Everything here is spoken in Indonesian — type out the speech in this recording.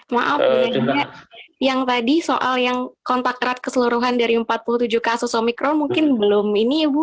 maaf yang tadi soal yang kontak erat keseluruhan dari empat puluh tujuh kasus omikron mungkin belum ini ya bu